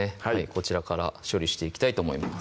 こちらから処理していきたいと思います